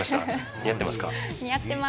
似合ってます。